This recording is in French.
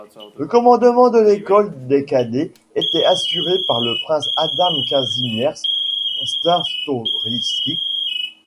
Le commandement de l'École des Cadets était assuré par le prince Adam Kazimierz Czartoryski.